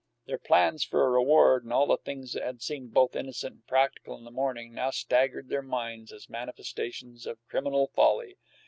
Their plans for a reward, and all the things that had seemed both innocent and practical in the morning, now staggered their minds as manifestations of criminal folly.